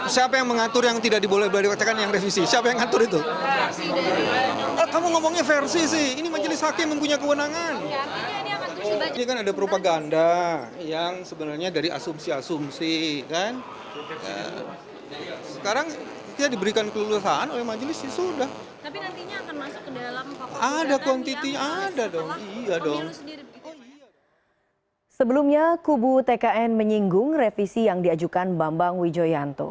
sebelumnya kubu tkn menyinggung revisi yang diajukan bambang wijoyanto